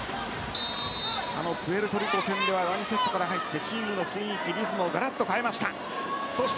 プエルトリコ戦では第２セットから入ってチームの雰囲気、リズムをガラッと変えました。